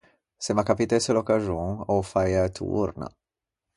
Se m’accapitesse l’occaxon, ô faiæ torna.